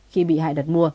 khi bị hại đặt mua